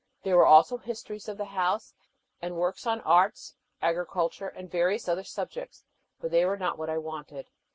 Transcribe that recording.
There were also histories of the house, and works on arts, agriculture, and various other subjects, but they were not what I wanted.